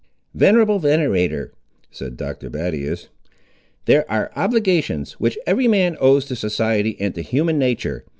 "Venerable venator," said Dr. Battius; "there are obligations, which every man owes to society and to human nature.